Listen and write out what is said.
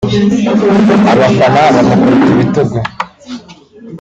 abafana bamukubita ibitugu